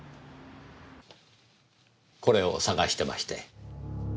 これを捜してまして。